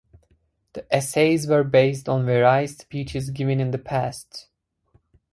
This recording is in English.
The essays were based on various speeches given in the past.